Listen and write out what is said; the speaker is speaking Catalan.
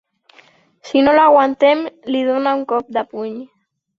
Si no l'aguantem, li dona un cop de puny.